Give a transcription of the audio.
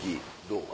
どう？